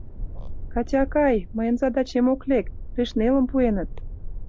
«Катя акай, мыйын задачем ок лек, пеш нелым пуэныт».